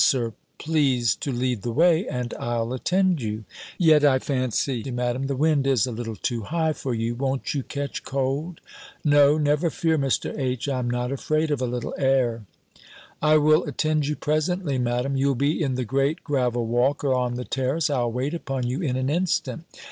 Sir, please to lead the way, and I'll attend you." "Yet I fancy, Madam, the wind is a little too high for you. Won't you catch cold?" "No, never fear, Mr. H., I am not afraid of a little air." "I will attend you presently, Madam: you'll be in the great gravel walk, or on the terrace. I'll wait upon you in an instant."